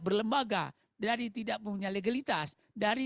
berlembaga dari tidak punya legalitas dari